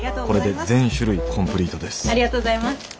これで全種類コンプリートです。